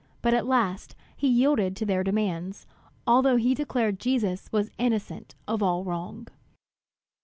But at last he yielded to their demands, although he declared Jesus was innocent of all wrong.